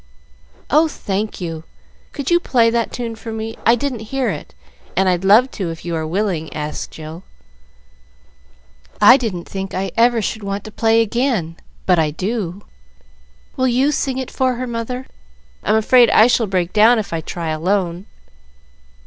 "Oh, thank you! Could you play that tune for me? I didn't hear it, and I'd love to, if you are willing," asked Jill. "I didn't think I ever should want to play again, but I do. Will you sing it for her, mother? I'm afraid I shall break down if I try alone."